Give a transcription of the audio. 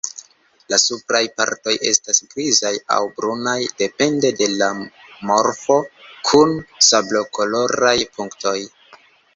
La supraj partoj estas grizaj aŭ brunaj, depende de la morfo, kun sablokoloraj punktoj.